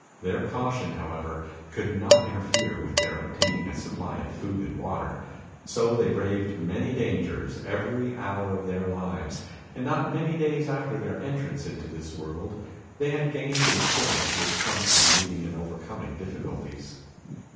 Their caution, however, could not interfere with their obtaining a supply of food and water, so they braved many dangers every hour of their lives, and not many days after their entrance into this world they had gained the assurance which comes from meeting and overcoming difficulties.